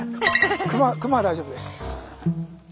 熊は大丈夫です。